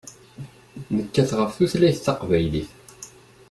Nekkat ɣef tutlayt taqbaylit.